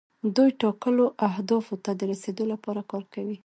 دوی ټاکلو اهدافو ته د رسیدو لپاره کار کوي.